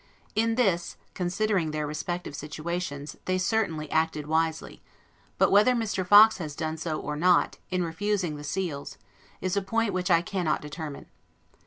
In this, considering their respective situations, they certainly acted wisely; but whether Mr. Fox has done so, or not, in refusing the seals, is a point which I cannot determine.